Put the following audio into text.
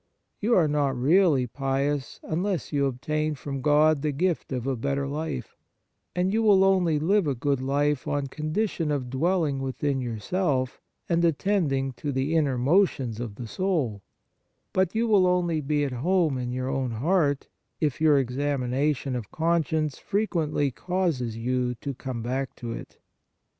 You are not really pious unless you obtain from God the gift of a better life ; and you will only live a good life on condition of dwell ing within yourself and attending to the inner motions of the soul ; but you will only be at home in your own heart, if your examination of con science frequently causes you to come back to it.